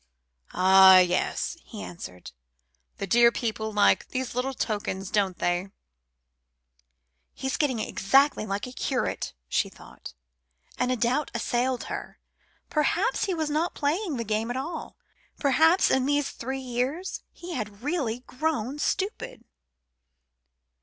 "Ah! yes," he answered, "the dear people like these little tokens, don't they?" "He's getting exactly like a curate," she thought, and a doubt assailed her. Perhaps he was not playing the game at all. Perhaps in these three years he had really grown stupid.